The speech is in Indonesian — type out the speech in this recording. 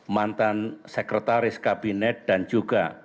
mantan sekretaris kabinet dan juga